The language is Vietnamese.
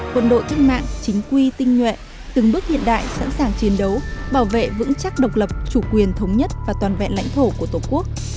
quân đội cách mạng chính quy tinh nhuệ từng bước hiện đại sẵn sàng chiến đấu bảo vệ vững chắc độc lập chủ quyền thống nhất và toàn vẹn lãnh thổ của tổ quốc